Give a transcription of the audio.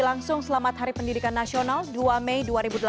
langsung selamat hari pendidikan nasional dua mei dua ribu delapan belas